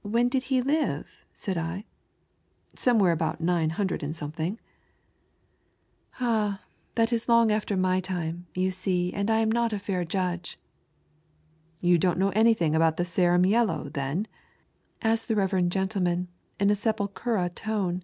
"When did he live?" said I. " Somewhere about nine hundred and something," m ONLY A GHOST. " All that is long after my time, you see I am not a fair judge." " You don't know anything ahout the Saram yellow then ?" asked the reverend gentleman in a sepulehra tone.